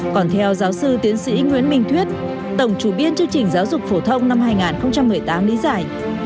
còn theo giáo sư tiến sĩ nguyễn minh thuyết tổng chủ biên chương trình giáo dục phổ thông năm hai nghìn một mươi tám lý giải